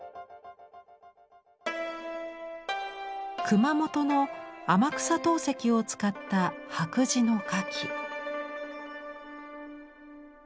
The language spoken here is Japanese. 熊本の天草陶石を使った白磁の花器。